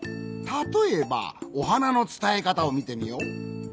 たとえば「おはな」のつたえかたをみてみよう。